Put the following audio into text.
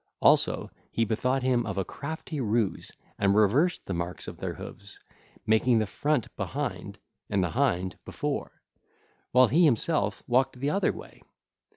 Also, he bethought him of a crafty ruse and reversed the marks of their hoofs, making the front behind and the hind before, while he himself walked the other way 2514.